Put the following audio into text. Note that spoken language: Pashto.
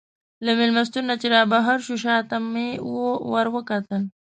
له مېلمستون نه چې رابهر شوو، شا ته مې وروکتل.